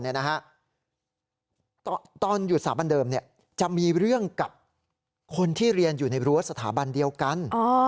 ตอนอยู่สถาบันเดิมจะมีเรื่องกับคนที่เรียนอยู่ในรั้วสถาบันเดียวกัน